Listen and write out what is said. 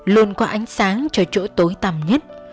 luôn qua ánh sáng cho chỗ tối tăm nhất